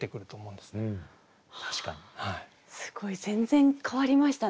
すごい全然変わりましたね。